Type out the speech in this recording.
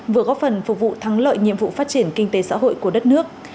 vừa góp phần phục vụ thắng lợi nhiệm vụ phát triển kinh tế xã hội của đất nước